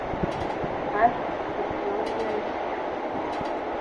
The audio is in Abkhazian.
Аҵх ҵхыбжьон иаҩсхьан.